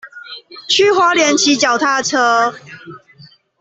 去花蓮騎腳踏車